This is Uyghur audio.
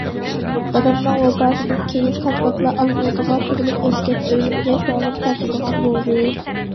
دادامنىڭ ۋاپاتىدىن كېيىن پات- پاتلا ئالمۇتىغا، تۇغۇلۇپ ئۆسكەن ئۆيۈمگە كۆڭلۈم تارتىدىغان بولدى.